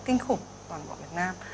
kinh khủng toàn bộ việt nam